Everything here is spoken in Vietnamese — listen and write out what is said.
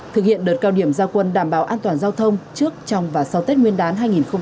thực hiện đợt cao điểm gia quân đảm bảo an toàn giao thông trước trong và sau tết nguyên đán hai nghìn hai mươi